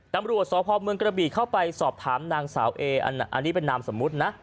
ตำรวจสพเมืองกระบีเข้าไปสอบถามนางสาวเออันนี้เป็นนามสมมุตินะ